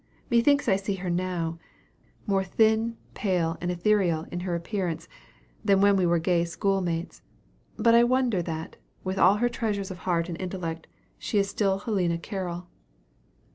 Methinks I see her now more thin, pale, and ethereal in her appearance than when we were gay school mates; but I wonder that, with all her treasures of heart and intellect, she is still Helena Carroll.